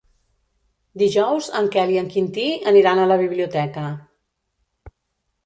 Dijous en Quel i en Quintí aniran a la biblioteca.